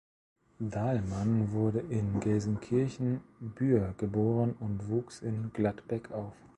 Dahlmann wurde in Gelsenkirchen-Buer geboren und wuchs in Gladbeck auf.